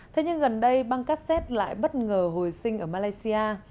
thế nhưng gần đây bang cassette lại bất ngờ hồi sinh ở malaysia